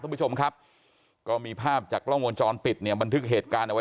คุณผู้ชมครับก็มีภาพจากกล้องวงจรปิดเนี่ยบันทึกเหตุการณ์เอาไว้